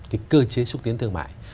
cái cơ chế xúc tiến thương mại